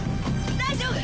大丈夫！